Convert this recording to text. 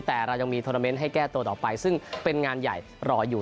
แต่เรายังมีโทรเมนต์ให้แก้ตัวต่อไปซึ่งเป็นงานใหญ่รออยู่